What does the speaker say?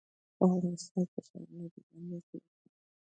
په افغانستان کې ښارونه ډېر اهمیت لري.